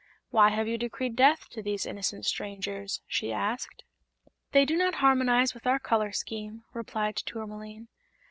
"Why have you decreed death to these innocent strangers?" she asked. "They do not harmonize with our color scheme," replied Tourmaline.